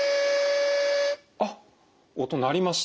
あっ音鳴りました。